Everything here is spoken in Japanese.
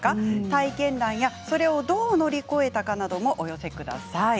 体験談やそれをどう乗り越えたかなどをお寄せください。